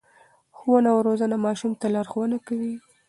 ښوونه او روزنه ماشوم ته لارښوونه کوي.